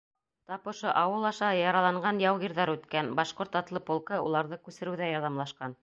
Тап ошо ауыл аша яраланған яугирҙәр үткән, башҡорт атлы полкы уларҙы күсереүҙә ярҙамлашҡан.